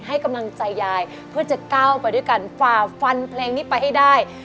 ให้กำลังใจยายเพื่อจะก้าวไปด้วยกันฝ่าฟันเพลงนี้ไปให้ได้